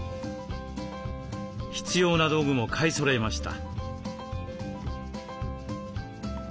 必要な道具も買いそろえました。